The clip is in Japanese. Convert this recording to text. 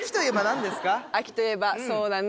秋といえばそうだね